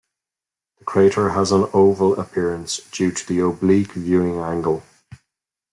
The crater has an oval appearance due to the oblique viewing angle.